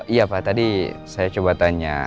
iya pak tadi saya coba tanya